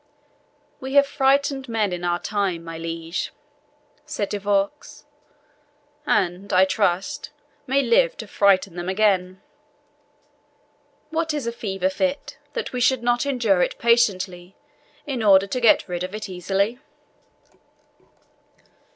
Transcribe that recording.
"We have frightened men in our time, my liege," said De Vaux; "and, I trust, may live to frighten them again. What is a fever fit, that we should not endure it patiently, in order to get rid of it easily?"